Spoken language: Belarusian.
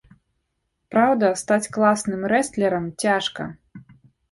Праўда, стаць класным рэстлерам цяжка.